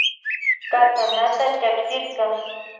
Katanata chapsirka.